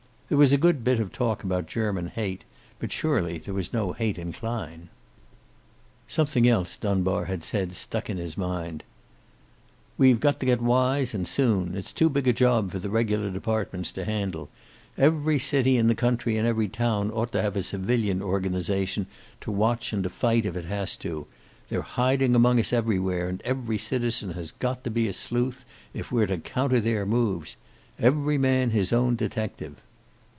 There was a good bit of talk about German hate, but surely there was no hate in Klein. Something else Dunbar had said stuck in his mind. "We've got to get wise, and soon. It's too big a job for the regular departments to handle. Every city in the country and every town ought to have a civilian organization to watch and to fight it if it has to. They're hiding among us everywhere, and every citizen has got to be a sleuth, if we're to counter their moves. Every man his own detective!"